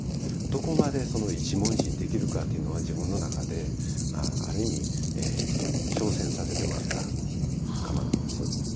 どこまで一文字にできるかっていうのは自分の中である意味挑戦させてもらった釜なんです。